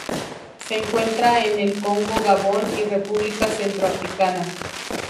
Se encuentra en el Congo Gabón y República Centroafricana.